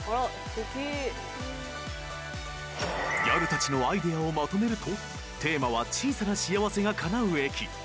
［ギャルたちのアイデアをまとめるとテーマは「小さな幸せが叶う駅」］